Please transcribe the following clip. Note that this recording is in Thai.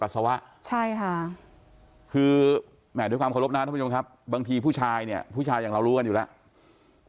สรบนะครับทุกผู้ชายเนี่ยผู้ชายอย่างเรารู้กันอยู่แล้ว